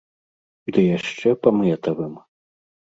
Ды яшчэ па мэтавым.